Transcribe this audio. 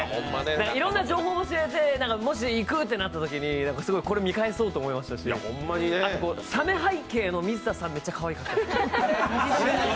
いろんな情報が知れて、もし行こうってなったときにこれ見返そうと思いましたし、サメ背景の水田さん、めちゃかわいかったです。